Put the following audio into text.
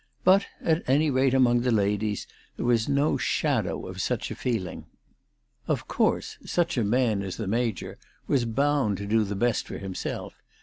But, at any rate among the ladies, there was no shadow of such a feeling. Of course such a A A 354 ALICE DTJGDALE. man as the Major was bound to do the best for himself.